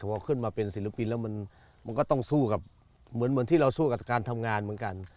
พอขึ้นมาเป็นศิลปินแล้วมันก็ต้องสู้กับเหมือนที่เราสู้กับการทำงานเหมือนกัน